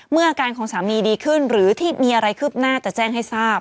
อาการของสามีดีขึ้นหรือที่มีอะไรคืบหน้าจะแจ้งให้ทราบ